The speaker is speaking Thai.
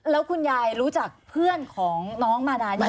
แล้วคุณยายรู้จักเพื่อนของน้องมาดานี่